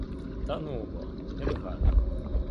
Та ну бо, не вигадуй!